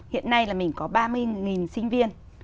hiện nay là mình có ba mươi sinh viên